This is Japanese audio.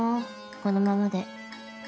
このままで。